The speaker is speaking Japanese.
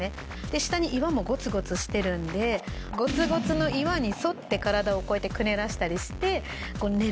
下に岩もゴツゴツしてるんでゴツゴツの岩に沿って体をこうやってくねらせたりして寝るんですよ。